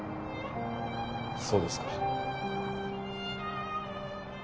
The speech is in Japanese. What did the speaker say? そうですか